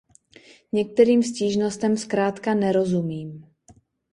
Některým stížnostem zkrátka nerozumím.